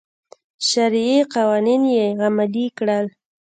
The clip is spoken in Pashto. شرعي قوانین یې عملي کړل.